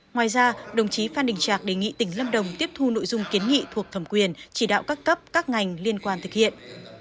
ngoài ra đồng chí phan đình trạc đề nghị tỉnh lâm đồng tiếp thu nội dung kiến nghị thuộc thẩm quyền chỉ đạo các cấp các ngành liên quan thực hiện